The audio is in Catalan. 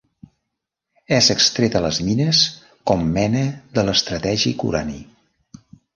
És extreta a les mines com mena de l'estratègic urani.